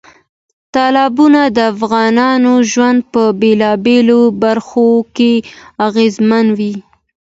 تالابونه د افغانانو ژوند په بېلابېلو برخو کې اغېزمنوي.